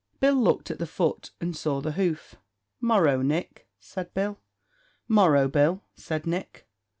Bill looked at the foot and saw the hoof. "Morrow, Nick," says Bill. "Morrow, Bill," says Nick.